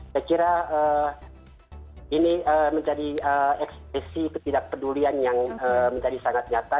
saya kira ini menjadi ekspresi ketidakpedulian yang menjadi sangat nyata